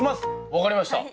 分かりました。